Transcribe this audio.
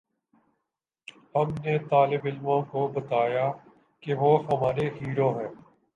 ہم نے طالب علموں کو بتایا کہ وہ ہمارے ہیرو ہیں۔